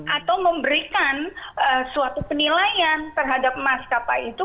atau memberikan suatu penilaian terhadap maskapai itu